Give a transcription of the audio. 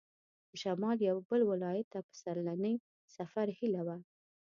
د شمال یوه بل ولایت ته د پسرلني سفر هیله وه.